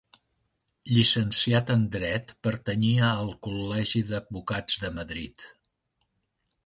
Llicenciat en dret, pertanyia al Col·legi d'Advocats de Madrid.